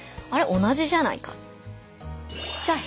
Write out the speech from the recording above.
同じじゃないか」。